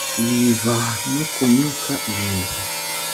ibi biva no ku myuka irindwi